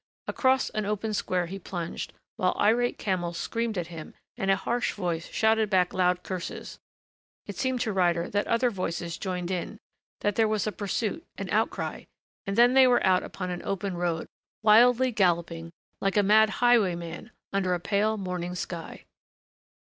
Across an open square he plunged, while irate camels screamed at him and a harsh voice shouted back loud curses. It seemed to Ryder that other voices joined in that there was a pursuit, an outcry and then they were out down an open road, wildly galloping, like a mad highwayman under a pale morning sky.